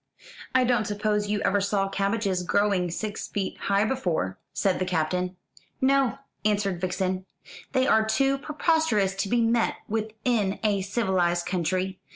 "I don't suppose you ever saw cabbages growing six feet high before," said the Captain. "No," answered Vixen; "they are too preposterous to be met with in a civilised country.